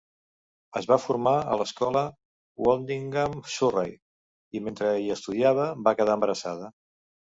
Es va formar a l'Escola Woldingham, Surrey, i mentre hi estudiava, va quedar embarassada.